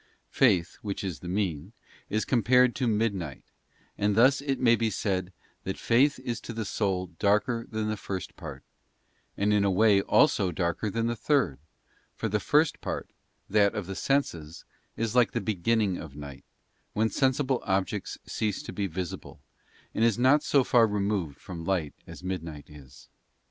Faith, which is the mean, is com pared to midnight, and thus it may be said, that faith is to the soul darker than the first part, and in a way also darker than the third: for the first part, that of the senses, is like the beginning of night, when sensible objects cease to be visible, and is not so far removed from light as midnight is.